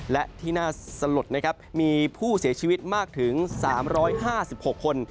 และที่น่าสลดนะครับมีผู้เสียชีวิตมากถึง๓๕๖คน